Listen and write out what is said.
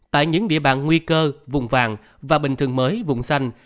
tại những địa bàn nguy cơ vùng vàng và bình thường mới vùng xanh